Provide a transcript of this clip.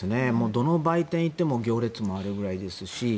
どの売店に行っても行列もあるぐらいですし。